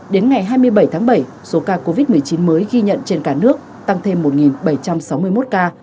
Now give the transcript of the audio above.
đến ngày hai mươi bảy tháng bảy số ca covid một mươi chín mới ghi nhận trên cả nước tăng thêm một bảy trăm sáu mươi một ca